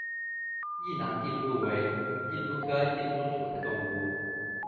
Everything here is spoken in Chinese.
异囊地蛛为地蛛科地蛛属的动物。